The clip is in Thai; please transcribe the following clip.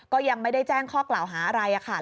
ก็ยังไม่ได้แจ้งข้อกล่าวหาอะไรค่ะ